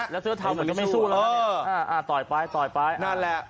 แล้วเท้ากิโดยสู้นะคะ